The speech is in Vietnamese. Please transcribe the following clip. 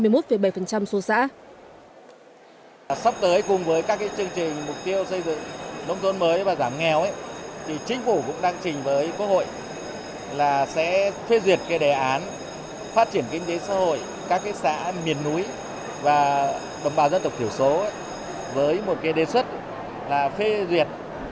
sắp tới cùng với các chương trình mục tiêu xây dựng nông thôn mới và giảm nghèo thì chính phủ cũng đang trình với quốc hội là sẽ phê duyệt đề án phát triển kinh tế xã hội các xã miền núi và đồng bào dân tộc thiểu số với một đề xuất là phê duyệt